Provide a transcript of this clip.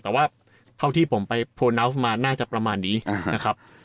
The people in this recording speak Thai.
แต่ว่าเท่าที่ผมไปโพนัสมาน่าจะประมาณนี้นะครับ